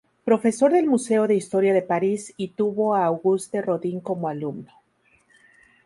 Profesor del Museo de Historia de París y tuvo a Auguste Rodin como alumno.